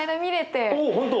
おお本当！